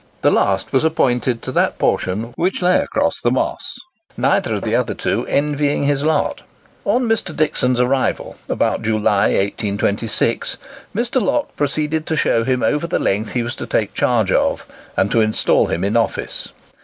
The last was appointed to that portion which lay across the Moss, neither of the other two envying his lot. On Mr. Dixon's arrival, about July, 1826, Mr. Locke proceeded to show him over the length he was to take charge of, and to instal him in office.